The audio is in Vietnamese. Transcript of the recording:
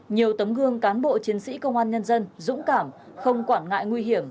nhiều tấm gương cán bộ chiến sĩ công an nhân dân dũng cảm không quản ngại nguy hiểm